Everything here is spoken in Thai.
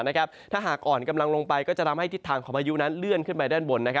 ถ้าหากอ่อนกำลังลงไปก็จะทำให้ทิศทางของพายุนั้นเลื่อนขึ้นไปด้านบน